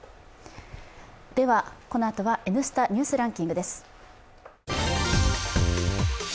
では、このあとは「Ｎスタ・ニュースランキング」です。